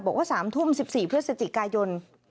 บอกว่า๓ทุ่ม๑๔เพื่อสจิกายน